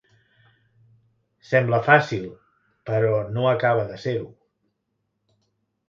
Sembla fàcil, però no acaba de ser-ho.